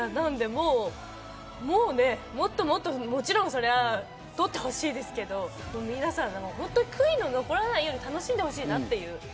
なので、もっともっと、もちろんそりゃ取ってほしいですけど、皆さん悔いの残らないように楽しんでほしいなって。